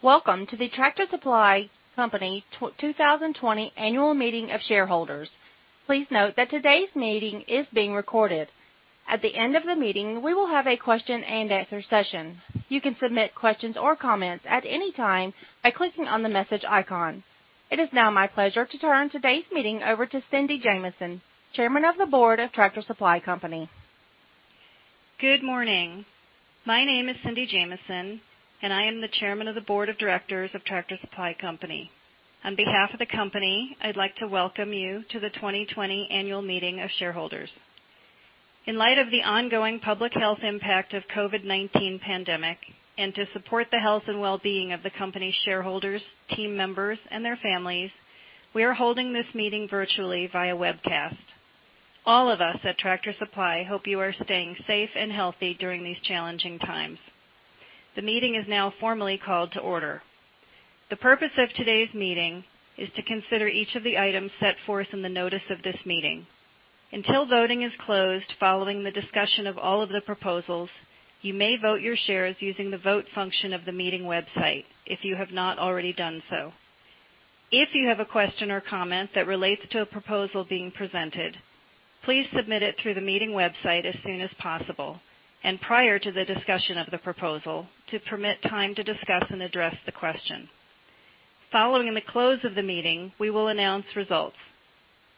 Welcome to the Tractor Supply Company 2020 Annual Meeting of Shareholders. Please note that today's meeting is being recorded. At the end of the meeting, we will have a question-and-answer session. You can submit questions or comments at any time by clicking on the message icon. It is now my pleasure to turn today's meeting over to Cindy Jamison, Chairman of the Board of Tractor Supply Company. Good morning. My name is Cindy Jamison. I am the Chairman of the Board of Directors of Tractor Supply Company. On behalf of the company, I'd like to welcome you to the 2020 Annual Meeting of Shareholders. In light of the ongoing public health impact of COVID-19 pandemic, and to support the health and wellbeing of the company shareholders, team members, and their families, we are holding this meeting virtually via webcast. All of us at Tractor Supply hope you are staying safe and healthy during these challenging times. The meeting is now formally called to order. The purpose of today's meeting is to consider each of the items set forth in the notice of this meeting. Until voting is closed following the discussion of all of the proposals, you may vote your shares using the vote function of the meeting website if you have not already done so. If you have a question or comment that relates to a proposal being presented, please submit it through the meeting website as soon as possible, and prior to the discussion of the proposal to permit time to discuss and address the question. Following the close of the meeting, we will announce results.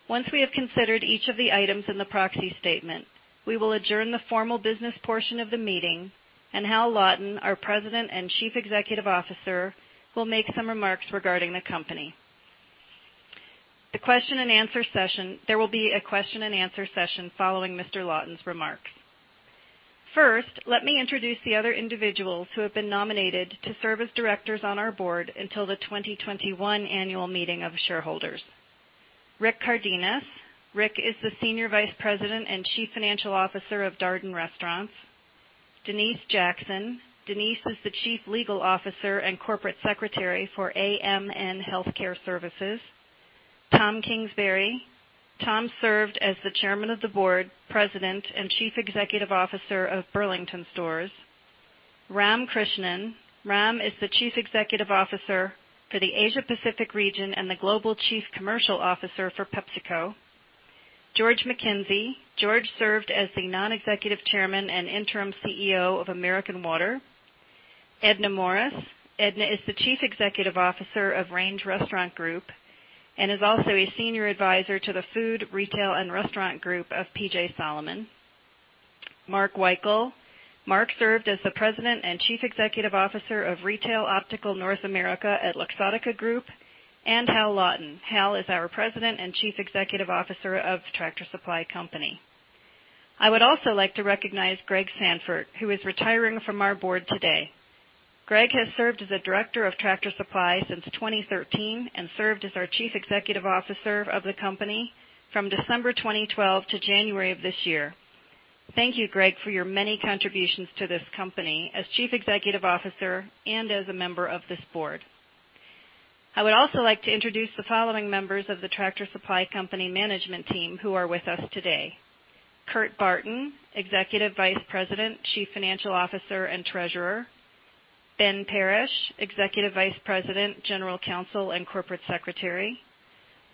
Once we have considered each of the items in the proxy statement, we will adjourn the formal business portion of the meeting, and Hal Lawton, our President and Chief Executive Officer, will make some remarks regarding the company. There will be a question-and-answer session following Mr. Lawton's remarks. First, let me introduce the other individuals who have been nominated to serve as directors on our board until the 2021 annual meeting of shareholders. Rick Cardenas. Rick is the Senior Vice President and Chief Financial Officer of Darden Restaurants. Denise Jackson. Denise is the Chief Legal Officer and Corporate Secretary for AMN Healthcare Services. Tom Kingsbury. Tom served as the Chairman of the Board, President, and Chief Executive Officer of Burlington Stores. Ram Krishnan. Ram is the Chief Executive Officer for the Asia Pacific region and the Global Chief Commercial Officer for PepsiCo. George MacKenzie. George served as the non-executive chairman and interim CEO of American Water. Edna Morris. Edna is the Chief Executive Officer of Range Restaurant Group and is also a senior advisor to the food, retail, and restaurant group of PJ SOLOMON. Mark Weikel. Mark served as the President and Chief Executive Officer of Retail Optical North America at Luxottica Group. Hal Lawton. Hal is our President and Chief Executive Officer of Tractor Supply Company. I would also like to recognize Greg Sandfort, who is retiring from our board today. Greg has served as a director of Tractor Supply since 2013 and served as our Chief Executive Officer of the company from December 2012 to January of this year. Thank you, Greg, for your many contributions to this company as Chief Executive Officer and as a member of this board. I would also like to introduce the following members of the Tractor Supply Company management team who are with us today. Kurt Barton, Executive Vice President, Chief Financial Officer, and Treasurer. Ben Parrish, Executive Vice President, General Counsel, and Corporate Secretary.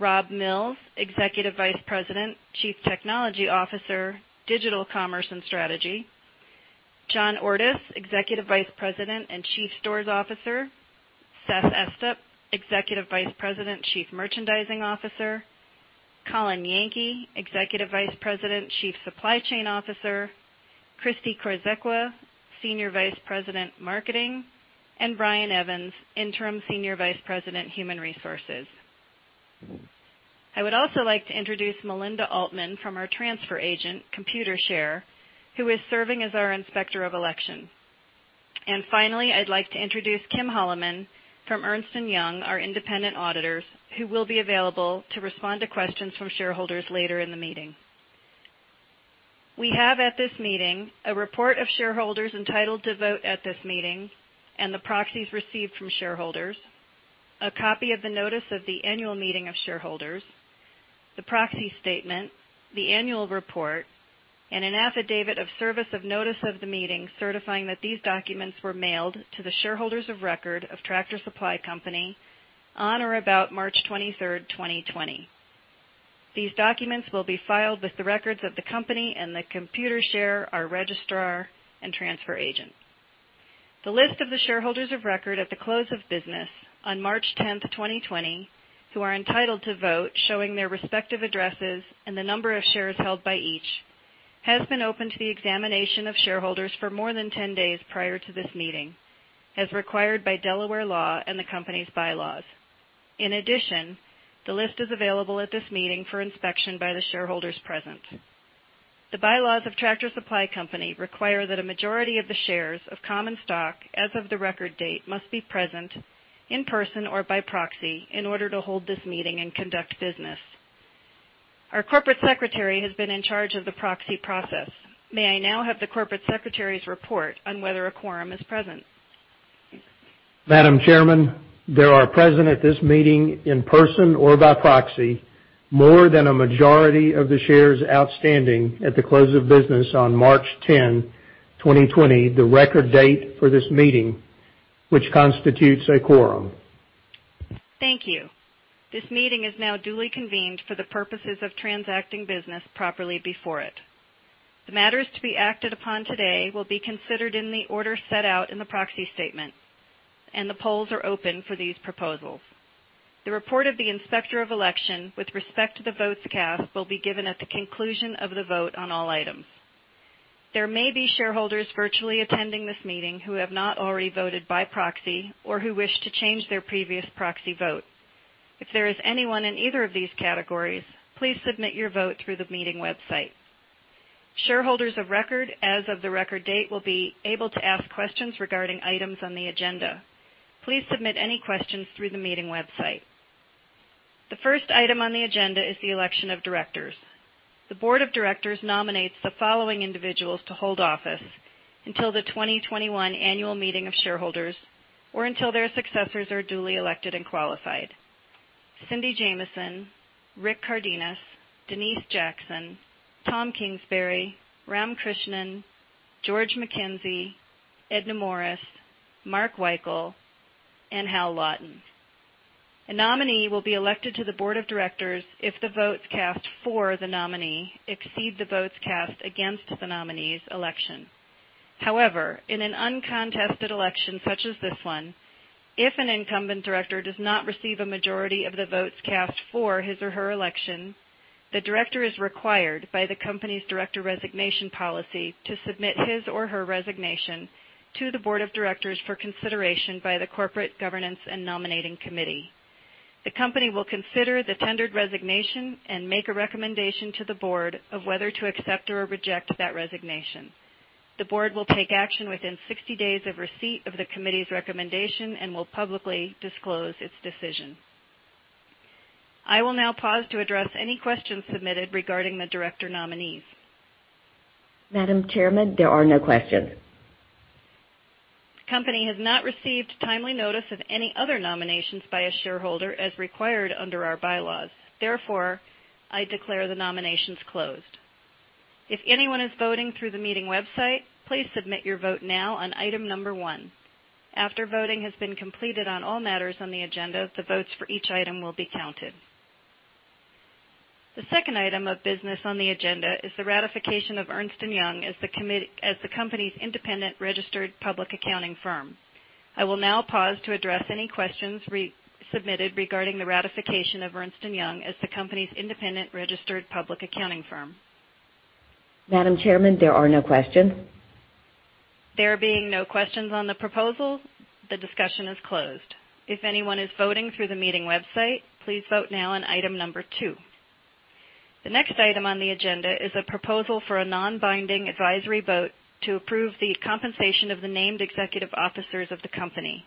Rob Mills, Executive Vice President, Chief Technology Officer, Digital Commerce, and Strategy. John Ordus, Executive Vice President and Chief Stores Officer. Seth Estep, Executive Vice President, Chief Merchandising Officer. Colin Yankee, Executive Vice President, Chief Supply Chain Officer. Christi Korzekwa, Senior Vice President, Marketing. Brian Evans, Interim Senior Vice President, Human Resources. I would also like to introduce Melinda Altman from our transfer agent, Computershare, who is serving as our inspector of election. Finally, I'd like to introduce Kim Holloman from Ernst & Young, our independent auditors, who will be available to respond to questions from shareholders later in the meeting. We have at this meeting a report of shareholders entitled to vote at this meeting and the proxies received from shareholders, a copy of the notice of the Annual Meeting of Shareholders, the Proxy Statement, the Annual Report, and an affidavit of service of notice of the meeting certifying that these documents were mailed to the shareholders of record of Tractor Supply Company on or about March 23rd, 2020. These documents will be filed with the records of the company and Computershare, our registrar and transfer agent. The list of the shareholders of record at the close of business on March 10th, 2020, who are entitled to vote, showing their respective addresses and the number of shares held by each, has been open to the examination of shareholders for more than 10 days prior to this meeting, as required by Delaware law and the company's bylaws. In addition, the list is available at this meeting for inspection by the shareholders present. The bylaws of Tractor Supply Company require that a majority of the shares of common stock as of the record date must be present in person or by proxy in order to hold this meeting and conduct business. Our corporate secretary has been in charge of the proxy process. May I now have the corporate secretary's report on whether a quorum is present? Madam Chairman, there are present at this meeting, in person or by proxy, More than a majority of the shares outstanding at the close of business on March 10, 2020, the record date for this meeting, which constitutes a quorum. Thank you. This meeting is now duly convened for the purposes of transacting business properly before it. The matters to be acted upon today will be considered in the order set out in the proxy statement, and the polls are open for these proposals. The report of the Inspector of Election with respect to the votes cast will be given at the conclusion of the vote on all items. There may be shareholders virtually attending this meeting who have not already voted by proxy or who wish to change their previous proxy vote. If there is anyone in either of these categories, please submit your vote through the meeting website. Shareholders of record as of the record date will be able to ask questions regarding items on the agenda. Please submit any questions through the meeting website. The first item on the agenda is the election of directors. The board of directors nominates the following individuals to hold office until the 2021 annual meeting of shareholders, or until their successors are duly elected and qualified. Cindy Jamison, Rick Cardenas, Denise Jackson, Tom Kingsbury, Ram Krishnan, George MacKenzie, Edna Morris, Mark Weikel, and Hal Lawton. A nominee will be elected to the board of directors if the votes cast for the nominee exceed the votes cast against the nominee's election. However, in an uncontested election such as this one, if an incumbent director does not receive a majority of the votes cast for his or her election, the director is required by the company's director resignation policy to submit his or her resignation to the board of directors for consideration by the Corporate Governance and Nominating Committee. The company will consider the tendered resignation and make a recommendation to the board of whether to accept or reject that resignation. The board will take action within 60 days of receipt of the committee's recommendation and will publicly disclose its decision. I will now pause to address any questions submitted regarding the director nominees. Madam Chairman, there are no questions. The company has not received timely notice of any other nominations by a shareholder as required under our bylaws. Therefore, I declare the nominations closed. If anyone is voting through the meeting website, please submit your vote now on item number one. After voting has been completed on all matters on the agenda, the votes for each item will be counted. The second item of business on the agenda is the ratification of Ernst & Young as the company's independent registered public accounting firm. I will now pause to address any questions submitted regarding the ratification of Ernst & Young as the company's independent registered public accounting firm. Madam Chairman, there are no questions. There being no questions on the proposals, the discussion is closed. If anyone is voting through the meeting website, please vote now on item number two. The next item on the agenda is a proposal for a non-binding advisory vote to approve the compensation of the named executive officers of the company.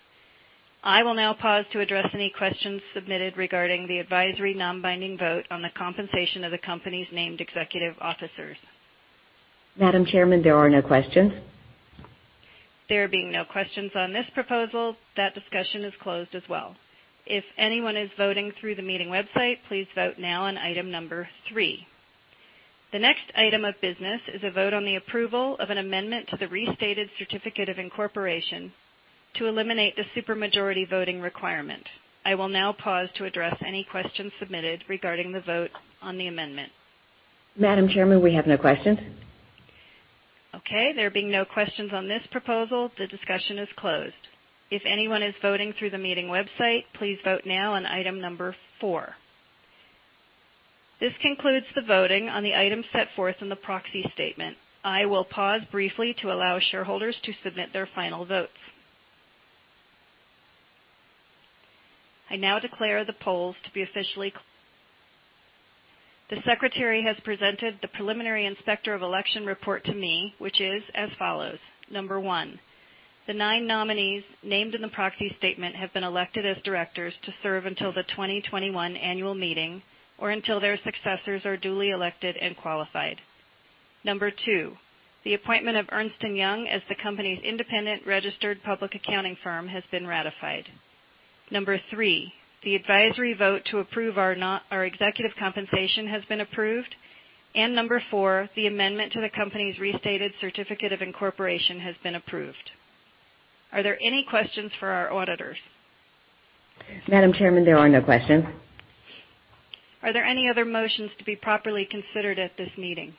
I will now pause to address any questions submitted regarding the advisory non-binding vote on the compensation of the company's named executive officers. Madam Chairman, there are no questions. There being no questions on this proposal, that discussion is closed as well. If anyone is voting through the meeting website, please vote now on item number three. The next item of business is a vote on the approval of an amendment to the restated certificate of incorporation to eliminate the supermajority voting requirement. I will now pause to address any questions submitted regarding the vote on the amendment. Madam Chairman, we have no questions. Okay, there being no questions on this proposal, the discussion is closed. If anyone is voting through the meeting website, please vote now on item number four. This concludes the voting on the item set forth in the proxy statement. I will pause briefly to allow shareholders to submit their final votes. I now declare the polls to be officially. The secretary has presented the preliminary Inspector of Election report to me, which is as follows. Number one, the nine nominees named in the proxy statement have been elected as directors to serve until the 2021 annual meeting or until their successors are duly elected and qualified. Number two, the appointment of Ernst & Young as the company's independent registered public accounting firm has been ratified. Number three, the advisory vote to approve our executive compensation has been approved. Number four, the amendment to the company's restated certificate of incorporation has been approved. Are there any questions for our auditors? Madam Chairman, there are no questions. Are there any other motions to be properly considered at this meeting?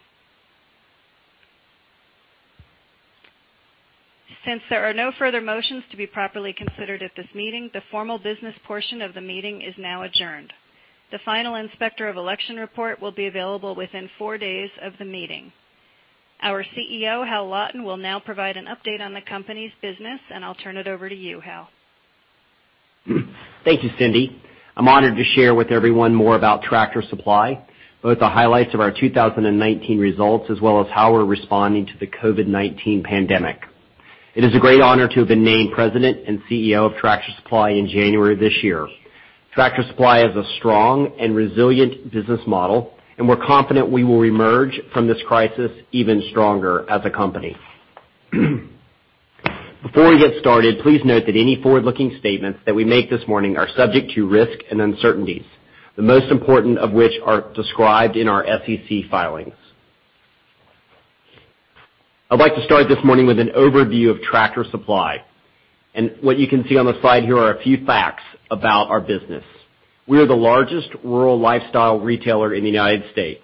Since there are no further motions to be properly considered at this meeting, the formal business portion of the meeting is now adjourned. The final Inspector of Election report will be available within four days of the meeting. Our CEO, Hal Lawton, will now provide an update on the company's business, I'll turn it over to you, Hal. Thank you, Cindy. I'm honored to share with everyone more about Tractor Supply, both the highlights of our 2019 results as well as how we're responding to the COVID-19 pandemic. It is a great honor to have been named President and CEO of Tractor Supply in January of this year. Tractor Supply has a strong and resilient business model, and we're confident we will emerge from this crisis even stronger as a company. Before we get started, please note that any forward-looking statements that we make this morning are subject to risk and uncertainties, the most important of which are described in our SEC filings. I'd like to start this morning with an overview of Tractor Supply. What you can see on the slide here are a few facts about our business. We are the largest rural lifestyle retailer in the U.S.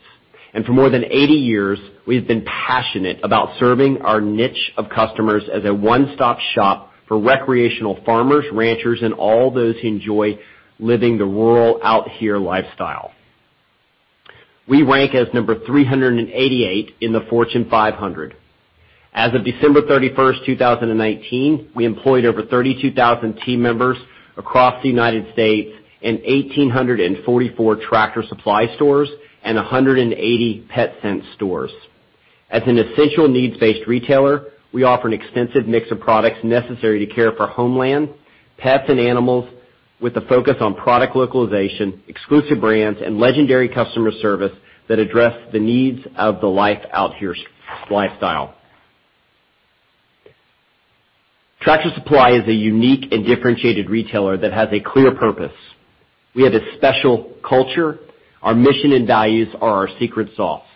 For more than 80 years, we have been passionate about serving our niche of customers as a one-stop shop for recreational farmers, ranchers, and all those who enjoy living the rural out-here lifestyle. We rank as number 388 in the Fortune 500. As of December 31st, 2019, we employed over 32,000 team members across the United States in 1,844 Tractor Supply stores and 180 PetSense stores. As an essential needs-based retailer, we offer an extensive mix of products necessary to care for homeland, pets, and animals with a focus on product localization, exclusive brands, and legendary customer service that address the needs of the life out-here lifestyle. Tractor Supply is a unique and differentiated retailer that has a clear purpose. We have a special culture. Our mission and values are our secret sauce.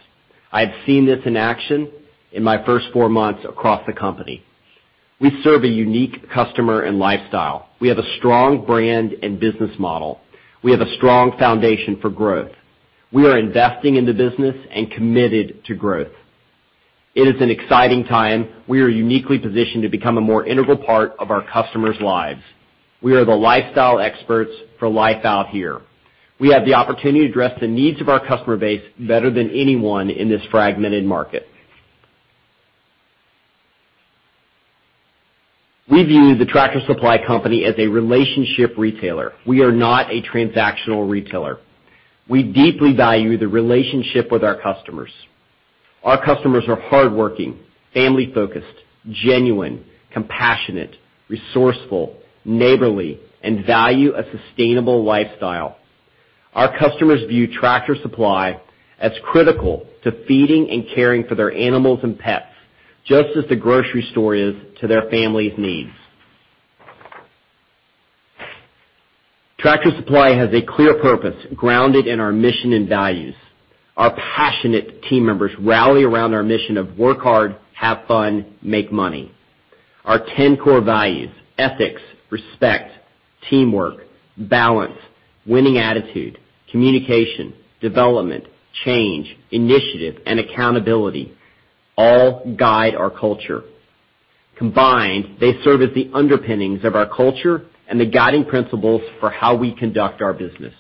I have seen this in action in my first four months across the company. We serve a unique customer and lifestyle. We have a strong brand and business model. We have a strong foundation for growth. We are investing in the business and committed to growth. It is an exciting time. We are uniquely positioned to become a more integral part of our customers' lives. We are the lifestyle experts for life out here. We have the opportunity to address the needs of our customer base better than anyone in this fragmented market. We view the Tractor Supply Company as a relationship retailer. We are not a transactional retailer. We deeply value the relationship with our customers. Our customers are hardworking, family-focused, genuine, compassionate, resourceful, neighborly, and value a sustainable lifestyle. Our customers view Tractor Supply as critical to feeding and caring for their animals and pets, just as the grocery store is to their family's needs. Tractor Supply has a clear purpose grounded in our mission and values. Our passionate team members rally around our mission of work hard, have fun, make money. Our 10 core values, ethics, respect, teamwork, balance, winning attitude, communication, development, change, initiative, and accountability all guide our culture. Combined, they serve as the underpinnings of our culture and the guiding principles for how we conduct our business.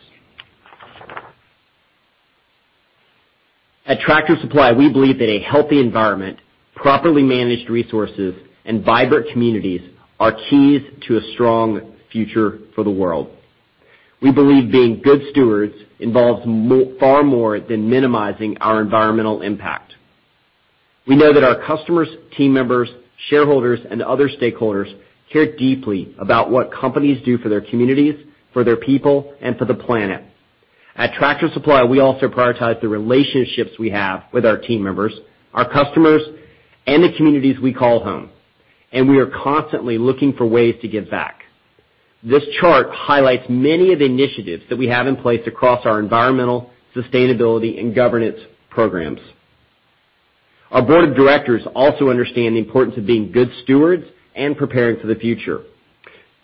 At Tractor Supply, we believe that a healthy environment, properly managed resources, and vibrant communities are keys to a strong future for the world. We believe being good stewards involves far more than minimizing our environmental impact. We know that our customers, team members, shareholders, and other stakeholders care deeply about what companies do for their communities, for their people, and for the planet. At Tractor Supply, we also prioritize the relationships we have with our team members, our customers, and the communities we call home, and we are constantly looking for ways to give back. This chart highlights many of the initiatives that we have in place across our environmental, sustainability, and governance programs. Our board of directors also understand the importance of being good stewards and preparing for the future.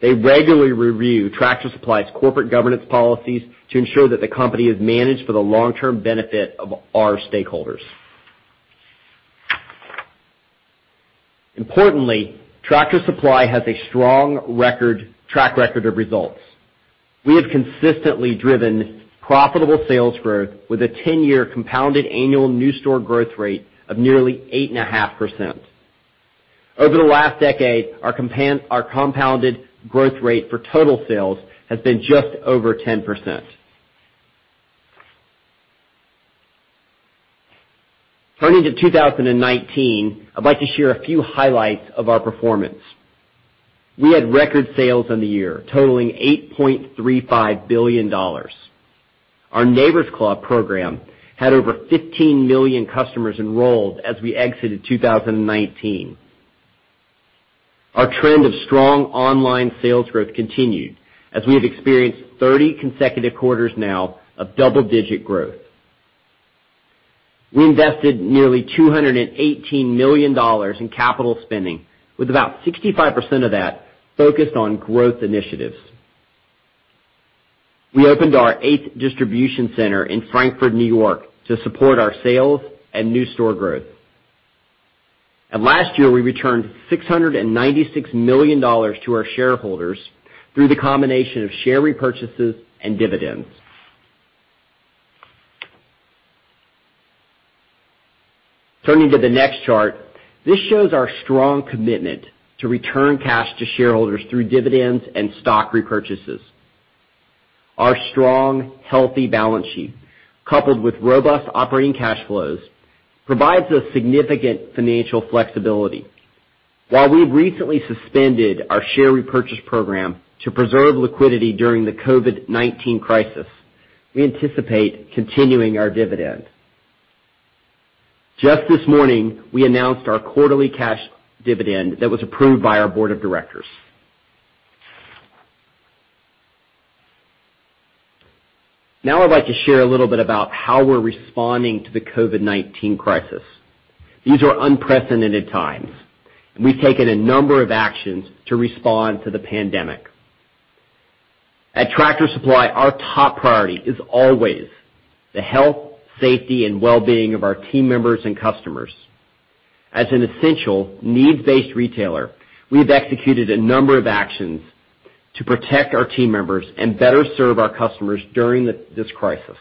They regularly review Tractor Supply's corporate governance policies to ensure that the company is managed for the long-term benefit of our stakeholders. Importantly, Tractor Supply has a strong track record of results. We have consistently driven profitable sales growth with a 10-year compounded annual new store growth rate of nearly 8.5%. Over the last decade, our compounded growth rate for total sales has been just over 10%. Turning to 2019, I'd like to share a few highlights of our performance. We had record sales in the year totaling $8.35 billion. Our Neighbor's Club program had over 15 million customers enrolled as we exited 2019. Our trend of strong online sales growth continued as we have experienced 30 consecutive quarters now of double-digit growth. We invested nearly $218 million in capital spending, with about 65% of that focused on growth initiatives. We opened our eighth distribution center in Frankfort, New York, to support our sales and new store growth. Last year, we returned $696 million to our shareholders through the combination of share repurchases and dividends. Turning to the next chart, this shows our strong commitment to return cash to shareholders through dividends and stock repurchases. Our strong, healthy balance sheet, coupled with robust operating cash flows, provides us significant financial flexibility. While we've recently suspended our share repurchase program to preserve liquidity during the COVID-19 crisis, we anticipate continuing our dividend. Just this morning, we announced our quarterly cash dividend that was approved by our board of directors. Now I'd like to share a little bit about how we're responding to the COVID-19 crisis. These are unprecedented times, and we've taken a number of actions to respond to the pandemic. At Tractor Supply, our top priority is always the health, safety, and wellbeing of our team members and customers. As an essential needs-based retailer, we've executed a number of actions to protect our team members and better serve our customers during this crisis.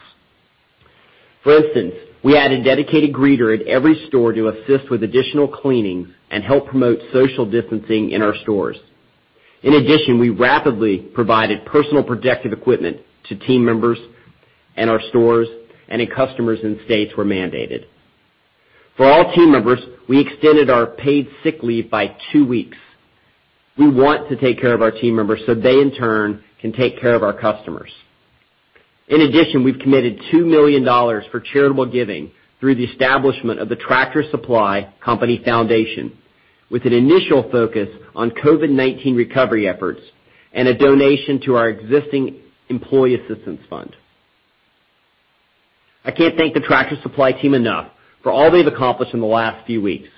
For instance, we added dedicated greeter at every store to assist with additional cleaning and help promote social distancing in our stores. In addition, we rapidly provided personal protective equipment to team members in our stores and in customers in states where mandated. For all team members, we extended our paid sick leave by two weeks. We want to take care of our team members so they in turn can take care of our customers. In addition, we've committed $2 million for charitable giving through the establishment of the Tractor Supply Company Foundation with an initial focus on COVID-19 recovery efforts and a donation to our existing employee assistance fund. I can't thank the Tractor Supply team enough for all they've accomplished in the last few weeks.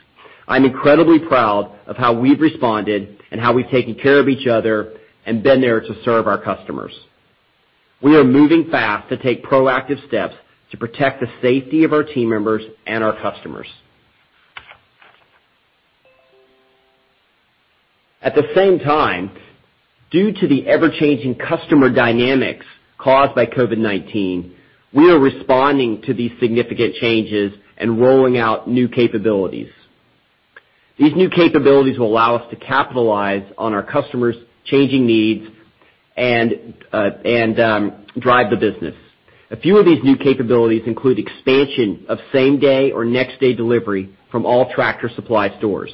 I'm incredibly proud of how we've responded and how we've taken care of each other and been there to serve our customers. We are moving fast to take proactive steps to protect the safety of our team members and our customers. At the same time, due to the ever-changing customer dynamics caused by COVID-19, we are responding to these significant changes and rolling out new capabilities. These new capabilities will allow us to capitalize on our customers' changing needs and drive the business. A few of these new capabilities include expansion of same-day or next-day delivery from all Tractor Supply stores,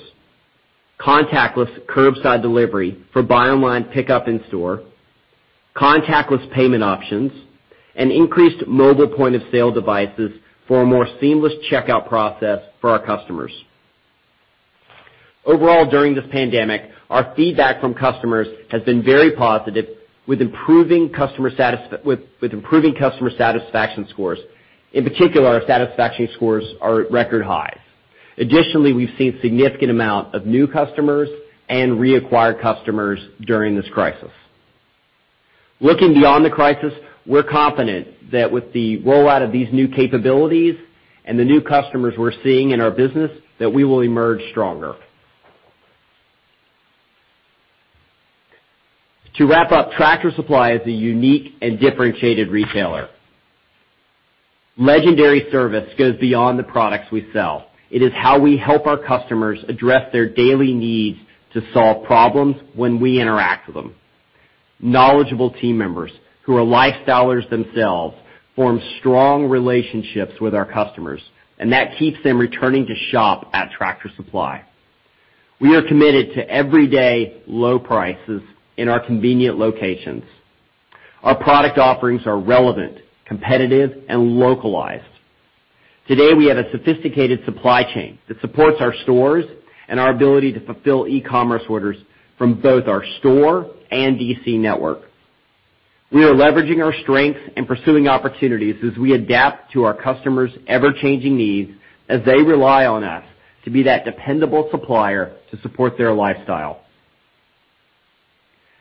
contactless curbside delivery for buy online, pickup in store, contactless payment options, and increased mobile point-of-sale devices for a more seamless checkout process for our customers. Overall, during this pandemic, our feedback from customers has been very positive with improving customer satisfaction scores. In particular, our satisfaction scores are at record highs. Additionally, we've seen significant amount of new customers and reacquired customers during this crisis. Looking beyond the crisis, we're confident that with the rollout of these new capabilities and the new customers we're seeing in our business, that we will emerge stronger. To wrap up, Tractor Supply is a unique and differentiated retailer. Legendary service goes beyond the products we sell. It is how we help our customers address their daily needs to solve problems when we interact with them. Knowledgeable team members who are lifestylers themselves form strong relationships with our customers, and that keeps them returning to shop at Tractor Supply. We are committed to everyday low prices in our convenient locations. Our product offerings are relevant, competitive, and localized. Today, we have a sophisticated supply chain that supports our stores and our ability to fulfill e-commerce orders from both our store and DC network. We are leveraging our strengths and pursuing opportunities as we adapt to our customers' ever-changing needs as they rely on us to be that dependable supplier to support their lifestyle.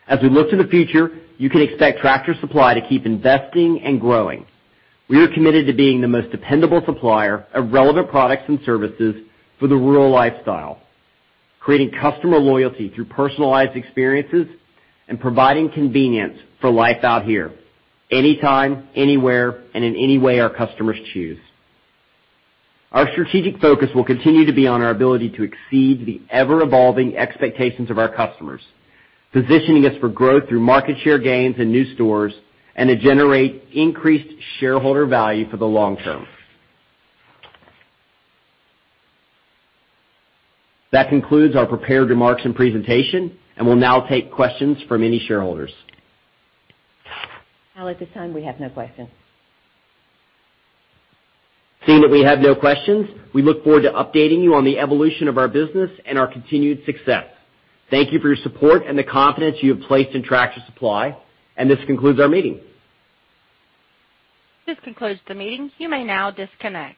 As we look to the future, you can expect Tractor Supply to keep investing and growing. We are committed to being the most dependable supplier of relevant products and services for the rural lifestyle, creating customer loyalty through personalized experiences, and providing convenience for life out here anytime, anywhere, and in any way our customers choose. Our strategic focus will continue to be on our ability to exceed the ever-evolving expectations of our customers, positioning us for growth through market share gains and new stores, and to generate increased shareholder value for the long-term. That concludes our prepared remarks and presentation, and we'll now take questions from any shareholders. Hal, at this time, we have no questions. Seeing that we have no questions, we look forward to updating you on the evolution of our business and our continued success. Thank you for your support and the confidence you have placed in Tractor Supply. This concludes our meeting. This concludes the meeting. You may now disconnect.